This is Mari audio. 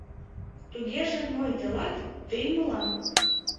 — Тугеже мый — тылат, тый — мылам.